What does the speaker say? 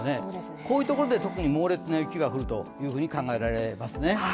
こういうところで特に猛烈な雪が降ると考えられますね。